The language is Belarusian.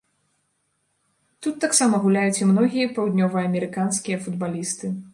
Тут таксама гуляюць і многія паўднёваамерыканскія футбалісты.